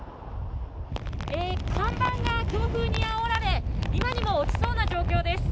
看板が強風にあおられ今にも落ちそうな状況です。